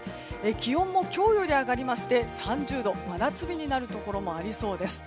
気温も今日より上がりまして３０度、真夏日になるところもありそうです。